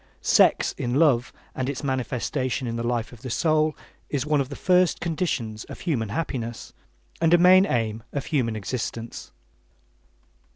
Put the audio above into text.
Sex in love and its manifestation in the life of the soul is one of the first conditions of human happiness, and a main aim of human existence.